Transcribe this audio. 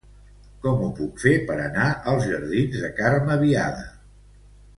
Com ho puc fer per anar als jardins de Carme Biada?